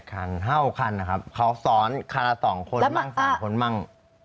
คัน๕๖คันนะครับเขาซ้อนคันละ๒คนมั่ง๓คนมั่ง